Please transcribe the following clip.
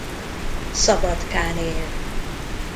Szabadkán él.